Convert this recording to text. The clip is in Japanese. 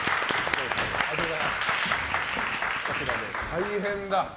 大変だ。